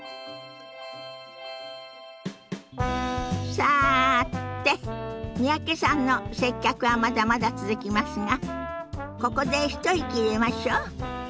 さて三宅さんの接客はまだまだ続きますがここで一息入れましょ。